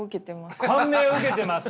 感銘を受けてます。